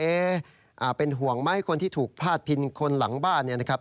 เป็นห่วงไหมคนที่ถูกพาดพิงคนหลังบ้านเนี่ยนะครับ